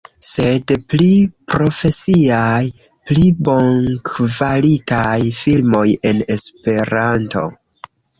Sed pli profesiaj, pli bonkvalitaj filmoj en Esperanto